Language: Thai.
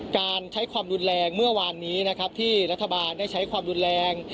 การใช้ความรุนแรงเมื่อวานนี้นะครับที่รัฐบาลได้ใช้ความรุนแรง